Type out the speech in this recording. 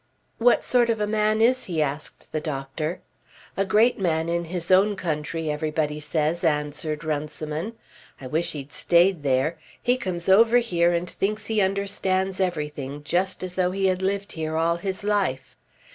"What sort of a man is he?" asked the doctor. "A great man in his own country everybody says," answered Runciman. "I wish he'd stayed there. He comes over here and thinks he understands everything just as though he had lived here all his life.